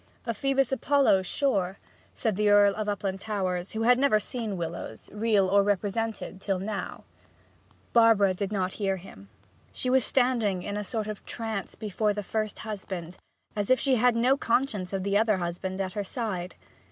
'Phoebus Apollo, sure,' said the Earl of Uplandtowers, who had never seen Willowes, real or represented, till now. Barbara did not hear him. She was standing in a sort of trance before the first husband, as if she had no consciousness of the other husband at her side.